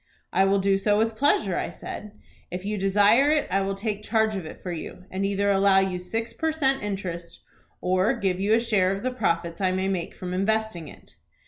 "'I will do so with pleasure,' I said. 'If you desire it I will take charge of it for you, and either allow you six per cent, interest, or give you a share of the profits I may make from investing it.'"